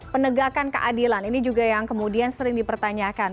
penegakan keadilan ini juga yang kemudian sering dipertanyakan